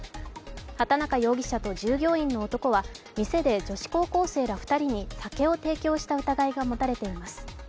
畑中容疑者と従業員の男は店で女子高校生ら２人に酒を提供した疑いが持たれています。